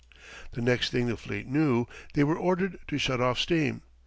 The next thing the fleet knew they were ordered to shut off steam.